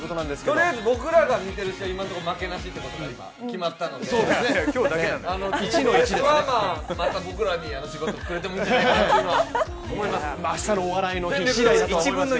とりあえず僕らが見ている試合は負けなしということが決まったのでまた僕ら仕事をくれてもいいのかなと思ってます。